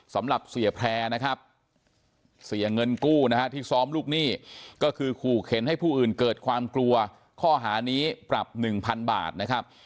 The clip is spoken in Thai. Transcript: สำหรับเสียแพร่นะครับเสียเงินกู้นะฮะที่ซ้อมลูกหนี้ก็คือขู่เข็นให้ผู้อื่นเกิดความกลัวข้อหานี้ปรับ๑๐๐๐บาทนะครับ